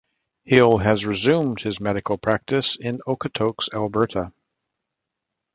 Hill has resumed his medical practice in Okotoks, Alberta.